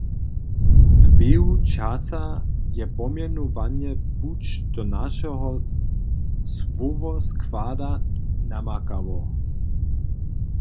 W běhu časa je pomjenowanje puć do našeho słowoskłada namakało.